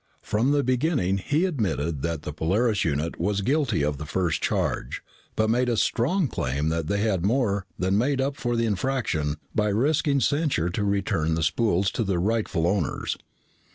From the beginning, he admitted that the Polaris unit was guilty of the first charge, but made a strong claim that they had more than made up for the infraction by risking censure to return the spools to their rightful owners.